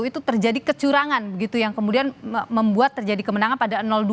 itu terjadi kecurangan begitu yang kemudian membuat terjadi kemenangan pada dua